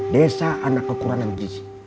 desa anak kekurangan gizi